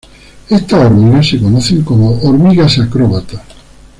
Estas hormigas se conocen como hormigas acróbatas.